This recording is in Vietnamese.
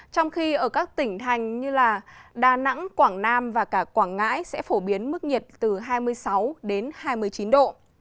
trong khi ở các tỉnh thành như đà nẵng quảng nam và cả quảng ngãi sẽ phổ biến mức nhiệt từ hai mươi sáu hai mươi chín độ